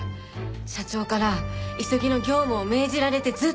社長から急ぎの業務を命じられてずっと。